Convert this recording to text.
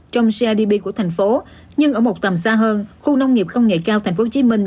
trong crdp của thành phố nhưng ở một tầm xa hơn khu nông nghiệp công nghệ cao thành phố hồ chí minh